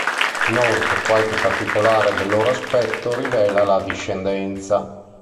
Inoltre, qualche particolare del loro aspetto rivela la discendenza.